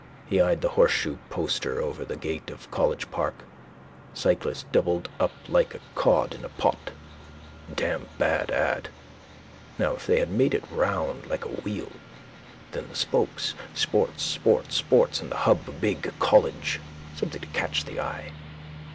He eyed the horseshoe poster over the gate of college park: cyclist doubled up like a cod in a pot. Damn bad ad. Now if they had made it round like a wheel. Then the spokes: sports, sports, sports: and the hub big: college. Something to catch the eye.